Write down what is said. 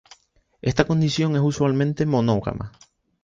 Esta condición es usualmente monógama.